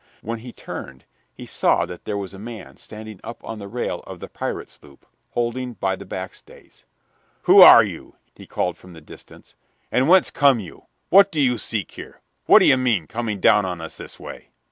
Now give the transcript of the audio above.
When he turned he saw that there was a man standing up on the rail of the pirate sloop, holding by the back stays. "Who are you?" he called, from the distance, "and whence come you? What do you seek here? What d'ye mean, coming down on us this way?"